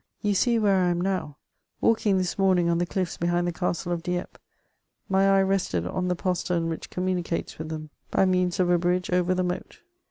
You see where I am now. Walking this morning on the cliffs behind the castle of Dieppe, my eye rested on the postern which communicates with them by means of a bridge oyer the moat.